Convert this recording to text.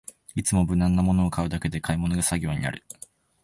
いつも無難なものを買うだけで買い物が作業になる